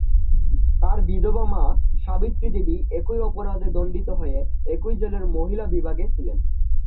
তার বিধবা মা সাবিত্রী দেবী একই অপরাধে দণ্ডিত হয়ে একই জেলের মহিলা বিভাগে ছিলেন।